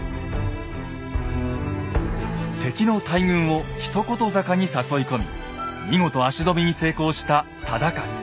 敵の大軍を一言坂に誘い込み見事足止めに成功した忠勝。